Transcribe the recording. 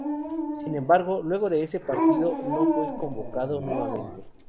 Sin embargo, luego de ese partido no fue convocado nuevamente.